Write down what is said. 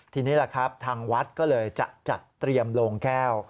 ทีนี้ล่ะครับทางวัดก็เลยจะจัดเตรียมโลงแก้ว